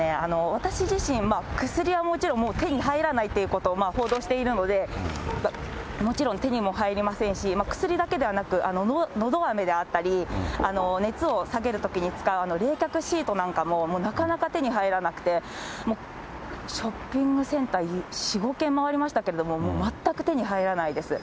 私自身、薬はもちろん、手に入らないということを報道しているので、もちろん手にも入りませんし、薬だけではなく、のどあめであったり、熱を下げるときに使う冷却シートなんかももうなかなか手に入らなくて、ショッピングセンター、４、５軒回りましたけれども、もう全く手に入らないです。